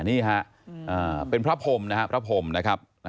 นี่ฮะเป็นพระพรมนะครับพระพรมนะครับ